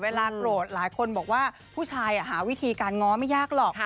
โกรธหลายคนบอกว่าผู้ชายหาวิธีการง้อไม่ยากหรอก